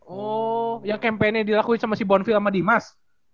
oh yang campaignnya dilakuin sama si bonville sama dimas